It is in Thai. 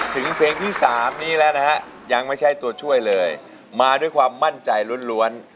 ถึงเพลงที่๓นี้แล้วนะฮะยังไม่ใช่ตัวช่วยเลยมาด้วยความมั่นใจล้วน